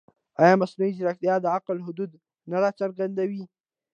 ایا مصنوعي ځیرکتیا د عقل حدود نه راڅرګندوي؟